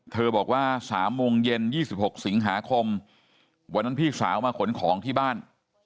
บอกว่า๓โมงเย็น๒๖สิงหาคมวันนั้นพี่สาวมาขนของที่บ้าน